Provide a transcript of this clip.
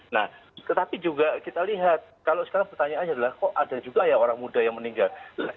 nah tetapi juga kita lihat kalau sekarang pertanyaannya adalah kok ada juga ya orang muda yang meninggal